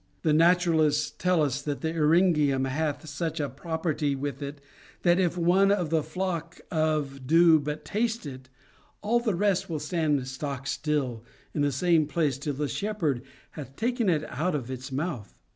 The naturalists tell us that the eryn gium hath such a property with it, that if one of the flock do but taste it, all the rest will stand stock still in the same place till the shepherd hath taken it out of its mouth.